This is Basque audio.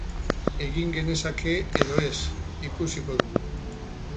Egin genezake edo ez, ikusiko dugu.